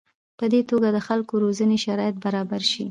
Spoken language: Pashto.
په دې توګه د خلکو روزنې شرایط برابر شي.